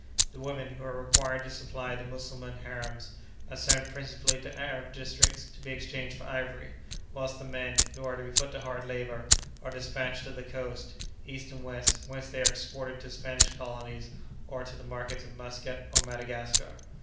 The women, who are required to supply the Mussulman harems, are sent principally to Arab districts to be exchanged for ivory; whilst the men, who are to be put to hard labour, are despatched to the coast, East and West, whence they are exported to the Spanish colonies, or to the markets of Muscat or Madagascar.